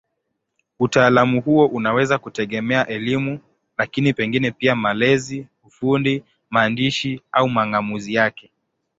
Utaalamu huo unaweza kutegemea elimu, lakini pengine pia malezi, ufundi, maandishi au mang'amuzi yake.